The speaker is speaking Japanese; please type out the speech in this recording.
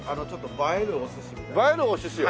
映えるおすしを？